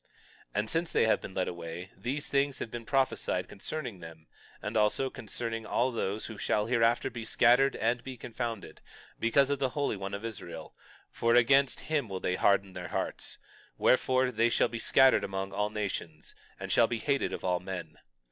22:5 And since they have been led away, these things have been prophesied concerning them, and also concerning all those who shall hereafter be scattered and be confounded, because of the Holy One of Israel; for against him will they harden their hearts; wherefore, they shall be scattered among all nations and shall be hated of all men.